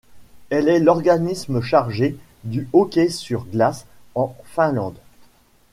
Elle est l'organisme chargé du hockey sur glace en Finlande.